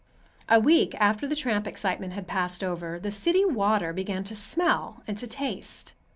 A week after the tramp excitement had passed over, the city water began to smell and to taste.